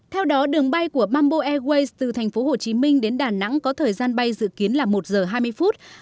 theo đó đường bay của mambo airways từ tp hcm đến đà nẵng có thời gian bay dự kiến là một giờ hai mươi phút